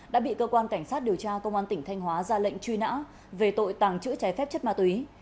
đã bị cơ quan cảnh sát điều tra công an tỉnh thanh hóa ra lệnh truy nã về tội tàng trữ trái phép chất ma túy